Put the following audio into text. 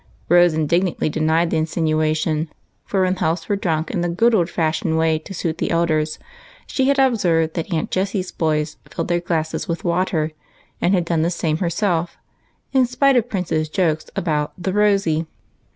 Rose indignantly denied the insinuation, for when healths were drunk in the good old fashioned way to suit the elders, she had observed that Aunt Jessie's boys filled their glasses with water, and had done the same herself in spite of the Prince's jokes about " the rosy."